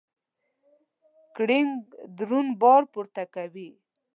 کرینګ درون بار پورته کوي.